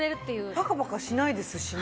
パカパカしないですしね。